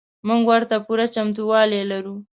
موږ ورته پوره چمتو والی لرو.